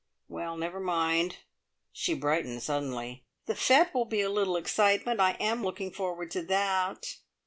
Well, never mind," she brightened suddenly; "the fete will be a little excitement. I am looking forward to that."